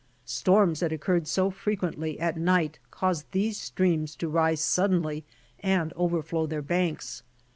Storms that occurred so frequently at night caused these streams to rise suddenly and over flow their banks.